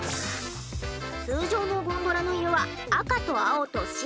通常のゴンドラの色は赤と青と白。